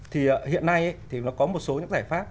thì hiện nay thì nó có một số những giải pháp